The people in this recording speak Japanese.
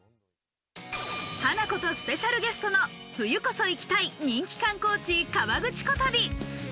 ハナコとスペシャルゲストの、冬こそ行きたい人気観光地・河口湖旅。